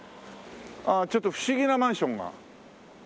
ああちょっと不思議なマンションがありますね。